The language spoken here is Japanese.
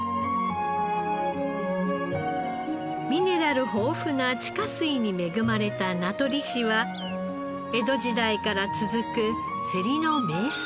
ミネラル豊富な地下水に恵まれた名取市は江戸時代から続くセリの名産地。